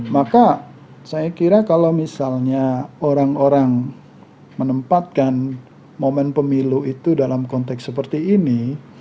maka saya kira kalau misalnya orang orang menempatkan momen pemilu itu dalam konteks seperti ini